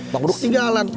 bang bedu ketinggalan